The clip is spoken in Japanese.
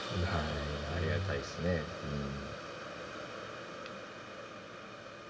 ありがたいっすねえうん。